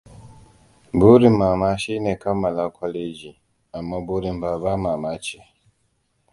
Burin mama shine kammala kwaleji, amma burin baba mama ce.